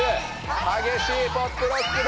激しいポップロックだ！